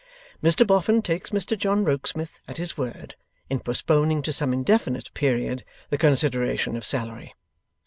Mr Boffin takes Mr John Rokesmith at his word, in postponing to some indefinite period, the consideration of salary.